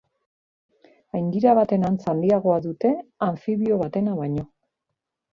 Aingira baten antz handiagoa dute anfibio batena baino.